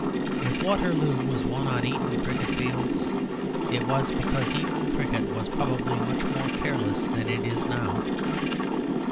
If Waterloo was won on Eton cricket fields it was because Eton cricket was probably much more careless then than it is now.